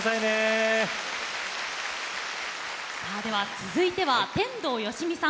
続いては、天童よしみさん。